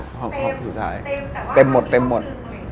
เต็มแต่ว่าห้องสุดท้ายมันเต็มหมด